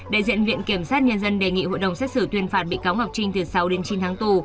đại diện viện kiểm sát nhân dân đề nghị hội đồng xét xử tuyên phạt bị cáo ngọc trinh từ sáu đến chín tháng tù